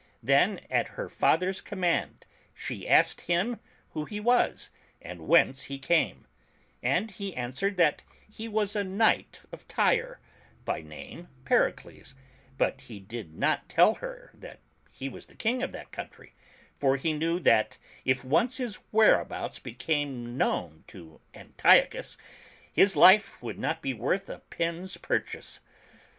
Then at her father's command she asked him who he was, and whence he came; and he answered that he was a knight of Tyre, by name Pericles, but he did not tell her that he was the King of that country, for he knew that if once his whereabouts be came known to Antiochus, his life would not be worth a pin's pur chase.